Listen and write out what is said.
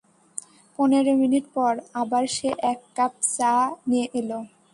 পনের মিনিট পর আবার সে এক কাপ চা নিয়ে এল।